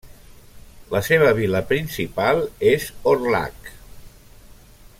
La seva vila principal és Orlhac.